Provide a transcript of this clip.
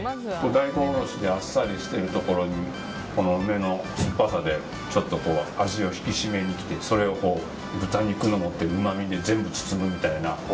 大根おろしであっさりしているところにこの梅の酸っぱさでちょっと味を引き締めに来てそれを豚肉の持ってるうまみで全部包むみたいな。